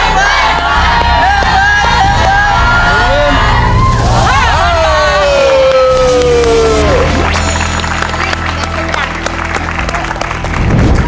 ๕มนตร์บาท